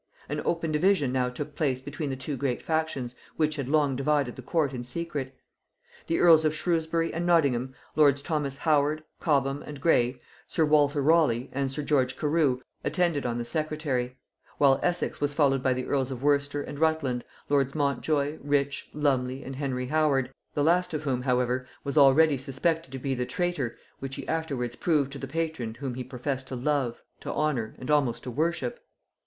An open division now took place between the two great factions which had long divided the court in secret. The earls of Shrewsbury and Nottingham, lords Thomas Howard, Cobham, and Grey, sir Walter Raleigh, and sir George Carew, attended on the secretary; while Essex was followed by the earls of Worcester and Rutland, lords Montjoy, Rich, Lumley, and Henry Howard; the last of whom however was already suspected to be the traitor which he afterwards proved to the patron whom he professed to love, to honor, and almost to worship.